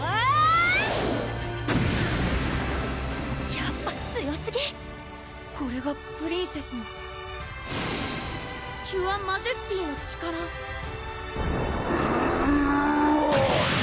やっぱ強すぎこれがプリンセスのキュアマジェスティの力ウゥガァ！